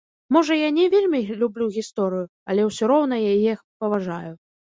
Можа, я не вельмі люблю гісторыю, але ўсё роўна яе паважаю.